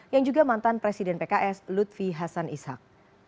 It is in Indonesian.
yang juga mantan presiden pks lutfi hasan ishak